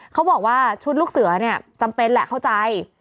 เขาบอกว่าชุดลูกเสือเนี่ยจำเป็นแหละเข้าใจ